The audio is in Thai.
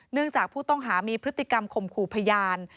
จากผู้ต้องหามีพฤติกรรมข่มขู่พยาน